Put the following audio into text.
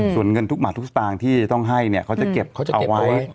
ส่วนเงินทุกหมัดทุกสตางค์ที่จะต้องให้เนี่ยเขาจะเก็บเขาจะเอาไว้